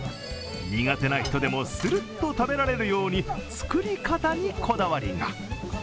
苦手な人でもするっと食べられるように作り方にこだわりが。